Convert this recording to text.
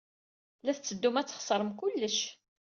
La tetteddum ad txeṣrem kullec.